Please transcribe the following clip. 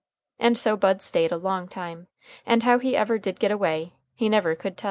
And so Bud stayed a long time, and how he ever did get away he never could tell.